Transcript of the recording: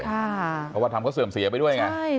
เพราะวัฒนธรรมเขาเสื่อมเสียไปด้วย